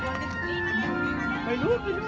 สวัสดีครับสวัสดีครับ